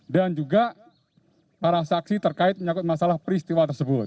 dan juga para saksi terkait menyangkut masalah peristiwa tersebut